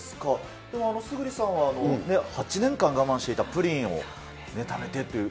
村主さんは８年間我慢していたプリンを食べてという。